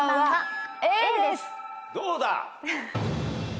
どうだ？